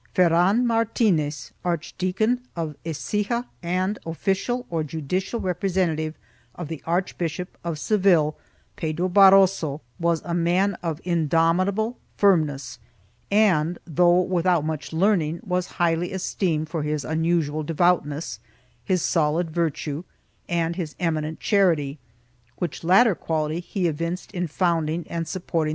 Ferran Martinez, Archdeacon of Ecija and Official, or judicial representative of the Archbishop of Seville, Pedro Barroso, was a man of indomitable firmness and, though without much learning, was highly esteemed for his unusual devoutness, his solid virtue and his eminent charity — which latter quality he evinced in founding and supporting the 1 Amador de los Rios, II, 571 3.